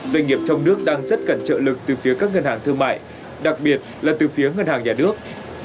doanh nghiệp trong nước đang rất cần trợ lực từ phía các ngân hàng thương mại đặc biệt là từ phía ngân hàng nhà nước